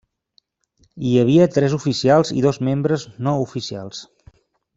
Hi havia tres oficials i dos membres no oficials.